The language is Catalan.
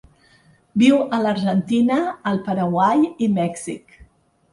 Viu a l'Argentina, el Paraguai i Mèxic.